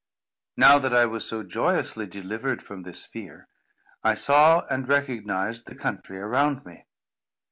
Now that I was so joyously delivered from this fear, I saw and recognised the country around me.